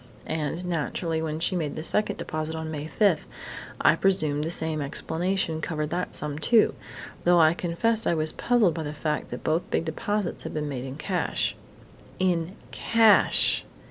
And, naturally, when she made the second deposit on May 5, I presumed the same explanation covered that sum, too, though I confess I was puzzled by the fact that both big deposits had been made in cash." _In cash!